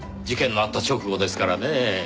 事件のあった直後ですからねぇ。